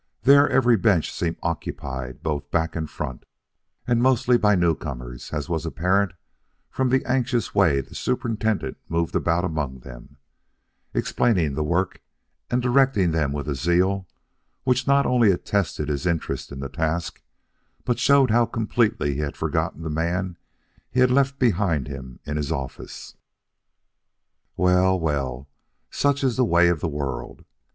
There every bench seemed occupied both back and front, and mostly by newcomers, as was apparent from the anxious way the superintendent moved about among them, explaining the work and directing them with a zeal which not only attested his interest in the task but showed how completely he had forgotten the man he had left behind him in his office. Well, well, such is the way of the world!